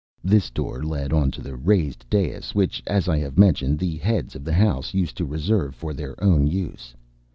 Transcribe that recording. This door led on to the raised dais, which, as I have mentioned, the heads of the house used to reserve for their own use.